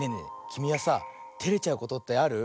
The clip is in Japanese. きみはさテレちゃうことってある？